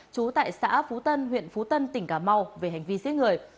trú tại xã phú tân huyện phú tân tỉnh cà mau về hành vi giết người